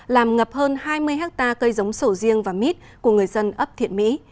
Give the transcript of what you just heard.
làm ngập hơn hai mươi hectare cây giống sổ riêng và mít của người dân ấp thiện mỹ